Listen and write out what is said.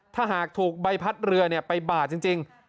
ถ้าหากถูกใบพัดเรือไปบาดจริง